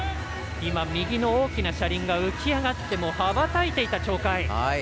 右の大きな車輪が浮き上がって羽ばたいていた鳥海。